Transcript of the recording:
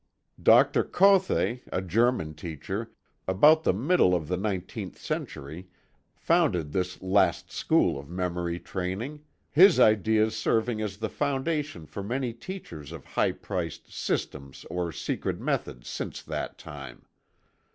Dr. Kothe, a German teacher, about the middle of the nineteenth century founded this last school of memory training, his ideas serving as the foundation for many teachers of high priced "systems" or "secret methods" since that time.